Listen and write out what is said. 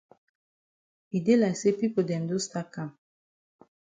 E dey like say pipo dem don stat kam.